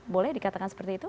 boleh dikatakan seperti itu